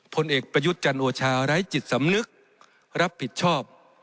ผลเอกประยุทธ์จันโอชาไร้จิตสำนึกรับผิดชอบ